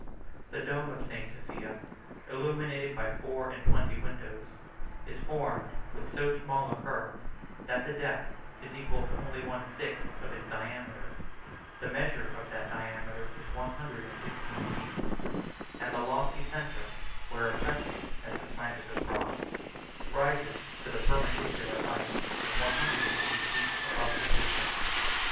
The dome of St. Sophia, illuminated by four and twenty windows, is formed with so small a curve, that the depth is equal only to one sixth of its diameter; the measure of that diameter is one hundred and fifteen feet, and the lofty centre, where a crescent has supplanted the cross, rises to the perpendicular height of one hundred and eighty feet above the pavement.